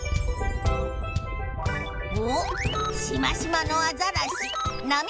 おっしましまのアザラシなみ